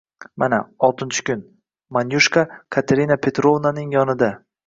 Mana, oltinchi kun, Manyushka Katerina Petrovnaning yonida.